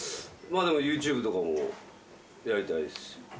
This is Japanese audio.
ＹｏｕＴｕｂｅとかもやりたいです。